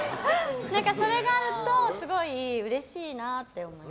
それがあるとすごいうれしいなって思います。